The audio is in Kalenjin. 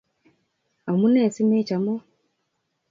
omunee simechomoo